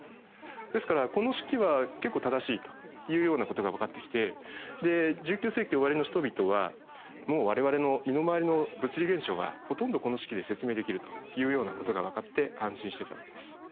ですからこの式は結構正しいというようなことがわかってきてで１９世紀終わりの人々はもう我々の身の回りの物理現象はほとんどこの式で説明できるというようなことがわかって安心してたわけです。